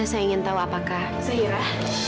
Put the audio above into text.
saya ingin tahu apakah zahira